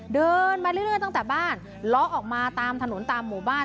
เดินมาเรื่อยตั้งแต่บ้านล้อออกมาตามถนนตามหมู่บ้าน